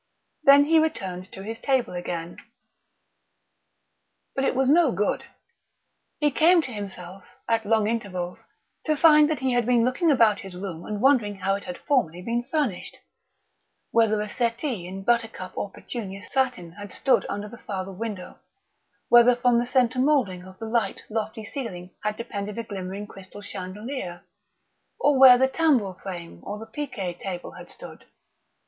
Then he returned to his table again.... But it was no good. He came to himself, at long intervals, to find that he had been looking about his room and wondering how it had formerly been furnished whether a settee in buttercup or petunia satin had stood under the farther window, whether from the centre moulding of the light lofty ceiling had depended a glimmering crystal chandelier, or where the tambour frame or the picquet table had stood....